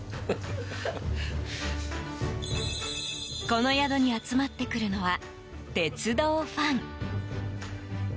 この宿に集まってくるのは鉄道ファン。